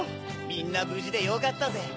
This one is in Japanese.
みんなぶじでよかったぜ。